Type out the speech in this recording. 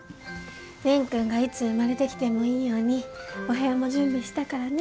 蓮くんがいつ生まれてきてもいいようにお部屋も準備したからね。